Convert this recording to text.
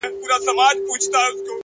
خپل ارزښت په کردار ثابتېږي.